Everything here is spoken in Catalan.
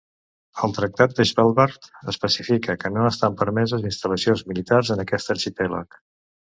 El tractat de Svalbard especifica que no estan permeses instal·lacions militars en aquest arxipèlag.